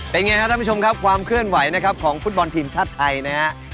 เป็นไงครับท่านผู้ชมครับความเคลื่อนไหวนะครับของฟุตบอลทีมชาติไทยนะฮะ